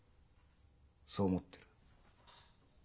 そう思ってる。